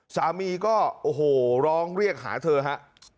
สามีก็โอ้โหร้องเรียกหาเธอฮะ